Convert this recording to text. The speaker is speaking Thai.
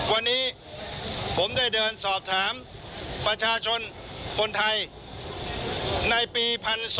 วันนี้ผมได้เดินสอบถามประชาชนคนไทยในปี๑๒